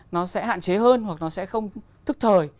nó sẽ hạn chế hơn hoặc nó sẽ không thức thời